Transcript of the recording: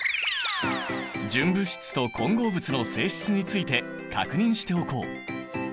純物質と混合物の性質について確認しておこう。